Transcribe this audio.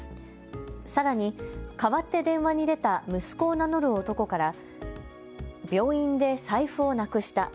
さらに、かわって電話に出た息子を名乗る男から病院で財布をなくした。